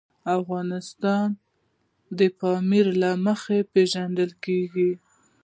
افغانستان د پامیر له مخې پېژندل کېږي.